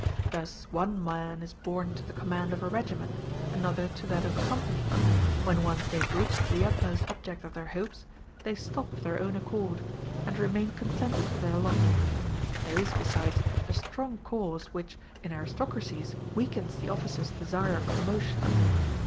Thus one man is born to the command of a regiment, another to that of a company; when once they have reached the utmost object of their hopes, they stop of their own accord, and remain contented with their lot. There is, besides, a strong cause, which, in aristocracies, weakens the officer's desire of promotion.